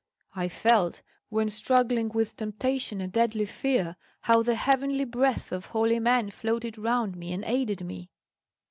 I felt, when struggling with temptation and deadly fear, how the heavenly breath of holy men floated round me and aided me."